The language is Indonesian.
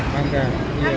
karena olahraga biar sehat